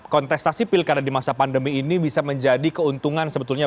kontestasi pilkada di masa pandemi ini bisa menjadi keuntungan sebetulnya